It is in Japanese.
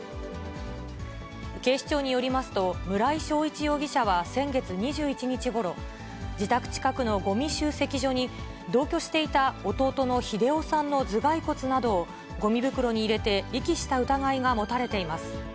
警視庁によりますと、村井正一容疑者は先月２１日ごろ、自宅近くのごみ集積所に、同居していた弟の秀夫さんの頭蓋骨などをごみ袋に入れて遺棄した疑いが持たれています。